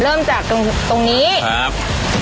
เริ่มจากตรงตรงนี้ครับ